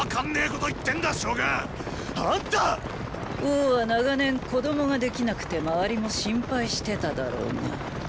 王は長年子供ができなくて周りも心配してただろーが。